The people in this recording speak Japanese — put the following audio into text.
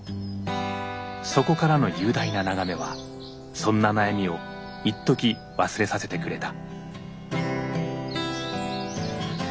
そこからの雄大な眺めはそんな悩みをいっとき忘れさせてくれた。